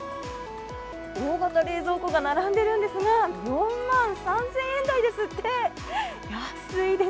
大型冷蔵庫が並んでいるんですが、４万３０００円台ですって。